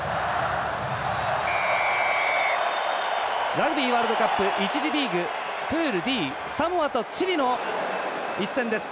ラグビーワールドカップ１次リーグ、プールＤサモアとチリの一戦です。